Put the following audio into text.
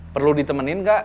perlu ditemenin gak